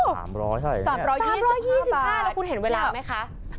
๓๒๕บาทแล้วคุณเห็นเวลาไหมคะ